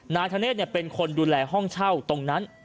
นายธเนธเป็นคนดูแลห้องเช่าตรงนั้น